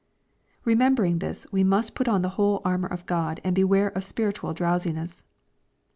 Remembering this, we must put on the whole armor of God, and beware ol spiritual drowsiness.